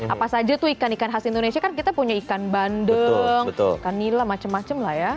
apa saja tuh ikan ikan khas indonesia kan kita punya ikan bandeng ikan nila macam macam lah ya